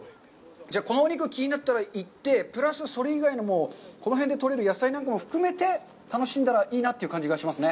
じゃあ、このお肉気になったら、行って、プラス、それ以外のこの辺で取れる野菜なんかも含めて楽しんだらいいなって感じがしますね。